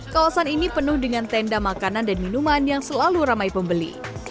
kawasan ini penuh dengan tenda makanan dan minuman yang selalu ramai pembeli